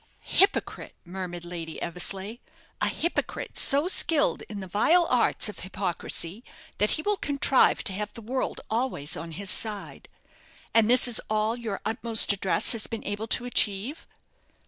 "Hypocrite!" murmured Lady Eversleigh. "A hypocrite so skilled in the vile arts of hypocrisy that he will contrive to have the world always on his side. And this is all your utmost address has been able to achieve?"